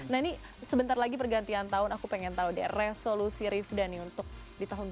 nah ini sebentar lagi pergantian tahun aku pengen tahu deh resolusi rivda nih untuk di tahun dua ribu dua puluh